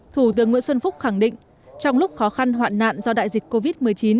thủ tướng nguyễn xuân phúc khẳng định trong lúc khó khăn hoạn nạn do đại dịch covid một mươi chín